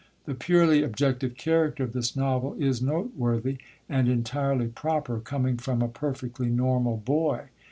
The purely objective character of this novel is noteworthy, and entirely proper, coming from a perfectly normal boy.